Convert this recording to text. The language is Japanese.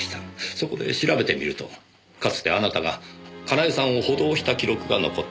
そこで調べてみるとかつてあなたが佳苗さんを補導した記録が残っていました。